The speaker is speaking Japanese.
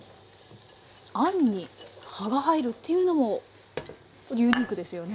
あんに葉が入るというのもユニークですよね。